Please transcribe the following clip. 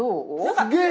すげえ！